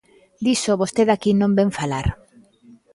Diso vostede aquí non vén falar.